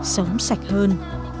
sống sạch hơn